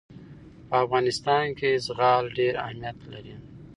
په افغانستان کې زغال ډېر اهمیت لري.